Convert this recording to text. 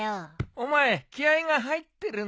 お前気合が入ってるなあ。